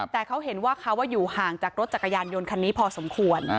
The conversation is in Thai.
แต่เขาเห็นว่าเขาอยู่ห่างจากรถจักรยานยนต์คันนี้พอสมควร